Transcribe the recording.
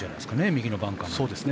右のバンカーまで。